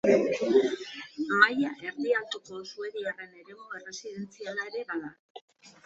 Maila erdi-altuko suediarren eremu erresidentziala ere bada.